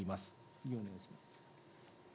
次お願いします。